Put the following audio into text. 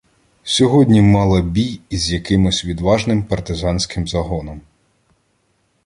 Сьогодні мала бій із якимсь відважним партизанським загоном.